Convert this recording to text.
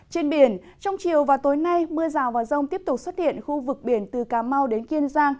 trên biển trong chiều và tối nay mưa rào và rông tiếp tục xuất hiện khu vực biển từ cà mau đến kiên giang